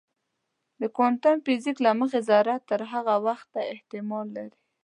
د کوانتم فزیک له مخې ذره تر هغه وخته احتمال لري.